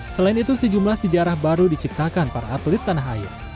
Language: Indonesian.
selain itu sejumlah sejarah baru diciptakan para atlet tanah air